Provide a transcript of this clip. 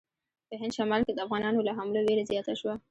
په هند شمال کې د افغانانو له حملو وېره زیاته شوه.